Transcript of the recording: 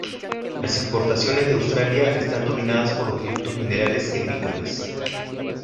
Las exportaciones de Australia están dominadas por los productos minerales y agrícolas.